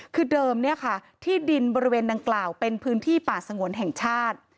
คือเดิมเนี่ยค่ะที่ดินบริเวณดังกล่าวเป็นพื้นที่ป่าสงวนแห่งชาติ